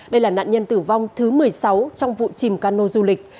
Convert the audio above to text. đây là nạn nhân tử vong thứ một mươi sáu trong vụ chìm cano du lịch